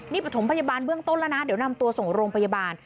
นี่ประถมพยาบาลเบื้องต้นแล้วนะเดี๋ยวนำตัวส่งโรงพยาบาล